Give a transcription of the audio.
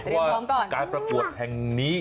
เพราะว่าการประกวดแห่งนี้